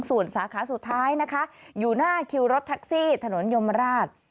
ส่วนสาขาสุดท้ายนะคะอยู่หน้าคิวรถแท็กซี่ถนนยมราช